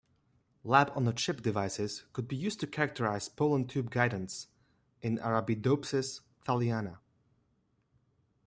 Lab-on-a-chip devices could be used to characterize pollen tube guidance in Arabidopsis thaliana.